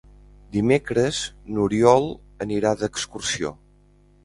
Dimecres n'Oriol anirà d'excursió.